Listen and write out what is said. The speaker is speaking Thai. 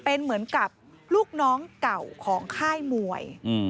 เป็นเหมือนกับลูกน้องเก่าของค่ายมวย